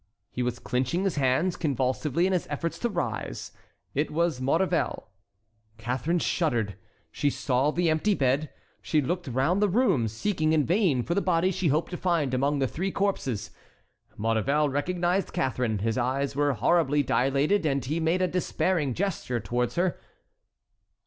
He was clinching his hands convulsively in his efforts to rise. It was Maurevel. Catharine shuddered. She saw the empty bed, she looked around the room seeking in vain for the body she hoped to find among the three corpses. Maurevel recognized Catharine. His eyes were horribly dilated and he made a despairing gesture towards her.